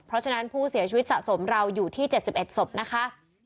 เพราะฉะนั้นผู้เสียชีวิตสะสมเราอยู่ที่๗๑ศพนะคะ